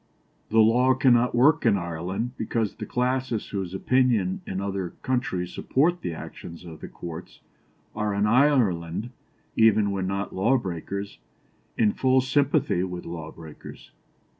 The law cannot work in Ireland because the classes whose opinion in other countries supports the actions of the courts, are in Ireland, even when not law breakers, in full sympathy with law breakers."